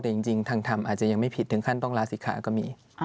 แต่จริงทางธรรมอาจจะยังไม่ผิดถึงขั้นต้องลาศิกขาก็มี